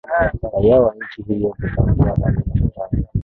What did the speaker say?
raia wa nchi hiyo kutambua hali ya hatari